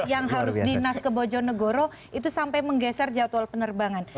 yang harus dinas ke bojonegoro itu sampai menggeser jadwal penerbangan